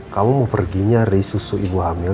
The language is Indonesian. kamu mau pergi nyari susu ibu hamil